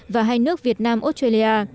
và hai nước việt nam australia